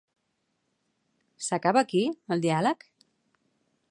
S'acaba aquí, el diàleg?